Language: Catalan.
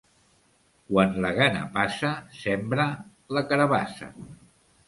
Quan la gana passa, sembra la carabassa.